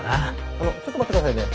あのちょっと待って下さいね。